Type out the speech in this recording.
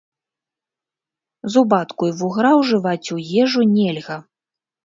Зубатку і вугра ўжываць у ежу нельга.